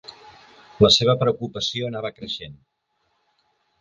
La seva preocupació anava creixent.